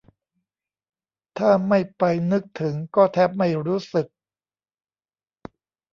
ถ้าไม่ไปนึกถึงก็แทบไม่รู้สึก